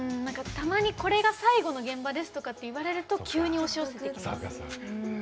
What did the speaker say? たまに「これが最後の現場です」とかって言われると急に押し寄せてきます。